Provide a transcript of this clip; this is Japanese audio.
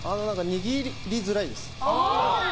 握りづらいです。